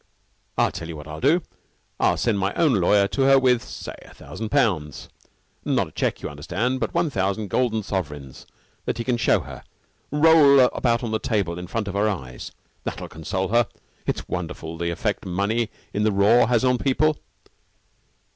"I'll tell you what I'll do. I'll send my own lawyer to her with say, a thousand pounds not a check, you understand, but one thousand golden sovereigns that he can show her roll about on the table in front of her eyes. That'll console her. It's wonderful, the effect money in the raw has on people."